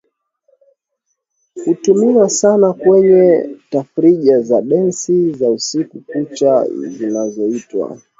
hutumiwa sana kwenye tafrija za dansi za usiku kucha zinazoitwa